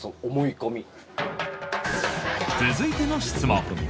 続いての質問！